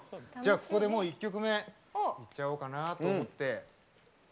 ここで１曲目いっちゃおうかなと思って。